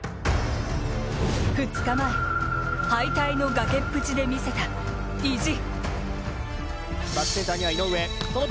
２日前、敗退の崖っぷちで見せた意地。